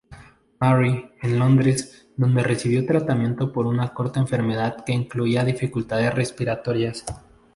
Mary, en Londres, donde recibió tratamiento por una corta enfermedad que incluía dificultades respiratorias.